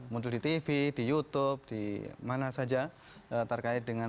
muncul di tv di youtube di mana saja terkait dengan